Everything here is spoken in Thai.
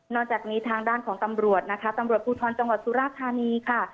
จากนี้ทางด้านของตำรวจนะคะตำรวจภูทรจังหวัดสุราธานีค่ะ